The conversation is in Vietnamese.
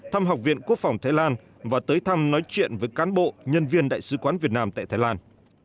thăm học viện quốc phòng thái lan và tới thăm nói chuyện với cán bộ nhân viên đại sứ quán việt nam tại thái lan